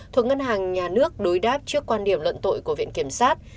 thuộc ngân hàng nhà nước đối đáp trước quan điểm luận tội của viện kiểm sát